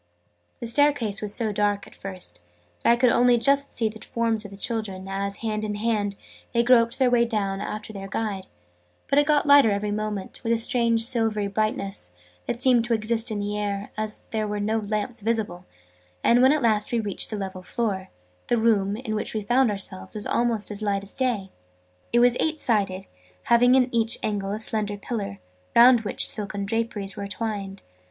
The staircase was so dark, at first, that I could only just see the forms of the children, as, hand in hand, they groped their way down after their guide: but it got lighter every moment, with a strange silvery brightness, that seemed to exist in the air, as there were no lamps visible; and, when at last we reached a level floor, the room, in which we found ourselves, was almost as light as day. It was eight sided, having in each angle a slender pillar, round which silken draperies were twined.